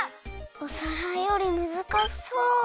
お皿よりむずかしそう。